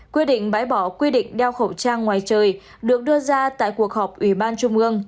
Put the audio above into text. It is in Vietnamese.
quy định bãi bỏ quy định đeo khẩu trang ngoài trời được đưa ra tại cuộc họp ủy ban trung ương